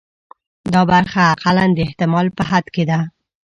دا برخه اقلاً د احتمال په حد کې ده.